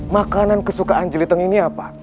makanan kesukaan jeliteng ini apa